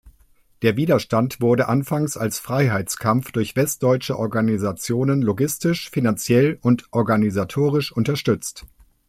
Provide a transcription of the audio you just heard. Der Widerstand wurde anfangs als Freiheitskampf durch westdeutsche Organisationen logistisch, finanziell und organisatorisch unterstützt.